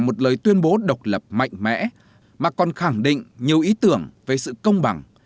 một lời tuyên bố độc lập mạnh mẽ mà còn khẳng định nhiều ý tưởng về sự công bằng